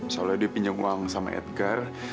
soalnya dia pinjam uang sama edgar